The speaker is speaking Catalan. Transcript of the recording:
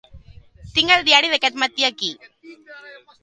Tinc el diari d'aquest matí aquí.